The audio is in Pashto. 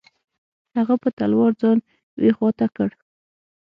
هغه په تلوار ځان یوې خوا ته کړ.